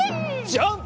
ジャンプ！